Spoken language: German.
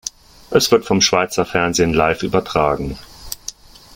Es wird vom Schweizer Fernsehen live übertragen.